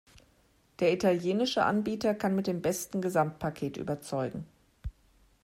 Der italienische Anbieter kann mit dem besten Gesamtpaket überzeugen.